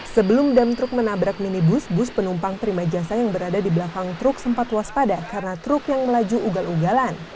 sebelum dam truk menabrak minibus bus penumpang terima jasa yang berada di belakang truk sempat waspada karena truk yang melaju ugal ugalan